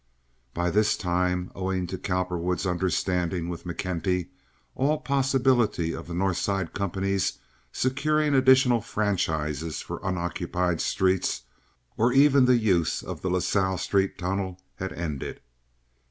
By this time, owing to Cowperwood's understanding with McKenty, all possibility of the North Side company's securing additional franchises for unoccupied streets, or even the use of the La Salle Street tunnel, had ended.